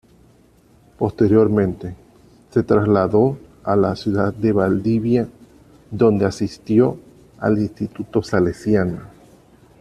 Posteriormente, se trasladó a la ciudad de Valdivia, donde asistió al Instituto Salesiano.